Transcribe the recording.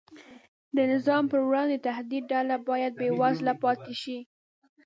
د نظام پر وړاندې د تهدید ډله باید بېوزله پاتې شي.